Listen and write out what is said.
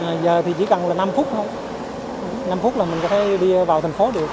giờ thì chỉ cần là năm phút thôi năm phút là mình có thể đi vào thành phố được